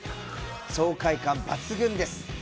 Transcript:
爽快感抜群です！